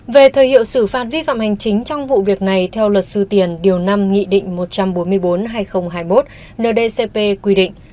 về thời hiệu xử phạt vi phạm hành chính trong vụ việc này theo luật sư tiền điều năm nghị định một trăm bốn mươi bốn hai nghìn hai mươi một ndcp quy định